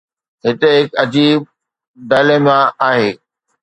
هتي هڪ عجيب dilemma آهي.